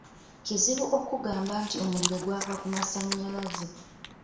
Kizibu okugamba nti omuliro gwava ku masannyalaze.